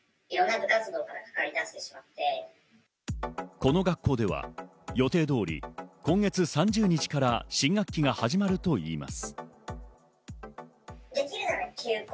この学校では予定通り今月３０日から新学期が始まるといいます。